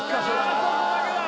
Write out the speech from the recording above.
そこだけだ！